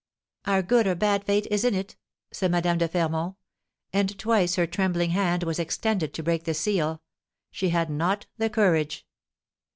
"Our good or bad fate is in it," said Madame de Fermont; and twice her trembling hand was extended to break the seal; she had not courage.